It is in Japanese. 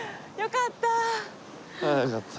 よかった。